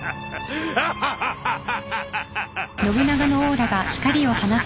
アハハハハ！